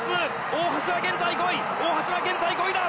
大橋は現在５位だ。